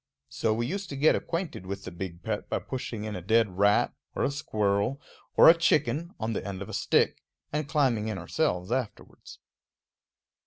So we used to get acquainted with the big pet by pushing in a dead rat, or a squirrel, or a chicken, on the end of a stick, and climbing in ourselves afterwards.